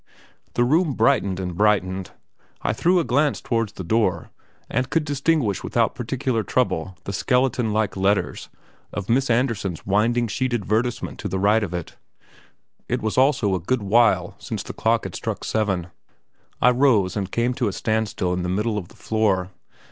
The room brightened and brightened. I threw a glance towards the door, and could distinguish without particular trouble the skeleton like letters of Miss Andersen's winding sheet advertisement to the right of it. It was also a good while since the clock has struck seven. I rose and came to a standstill in the middle of the floor.